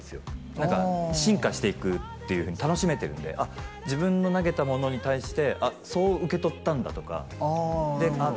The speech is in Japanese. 何か進化していくっていうふうに楽しめてるんであ自分の投げたものに対してそう受け取ったんだとかであっ